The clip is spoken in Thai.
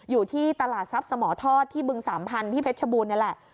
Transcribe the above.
อยู่ที่ตลาดทรัพย์สมทอดที่บึงสามพันธุ์เพชรชบูรณนี่แหละ